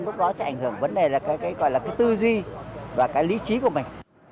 lúc đó sẽ ảnh hưởng vấn đề là cái gọi là cái tư duy và cái lý trí của mình